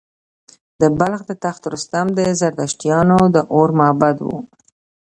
د بلخ د تخت رستم د زردشتیانو د اور معبد و